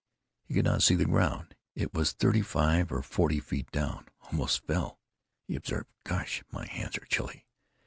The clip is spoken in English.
He could not see the ground. It was thirty five or forty feet down. "Almost fell," he observed. "Gosh! my hands are chilly!"